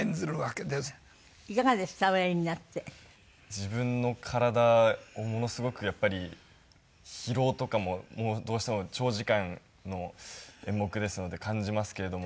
自分の体をものすごくやっぱり疲労とかもどうしても長時間の演目ですので感じますけれども。